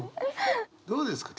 どうですか？